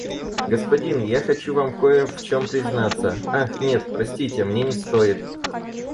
Господин, я хочу вам кое в чём признаться, ах, нет, простите, мне не стоит.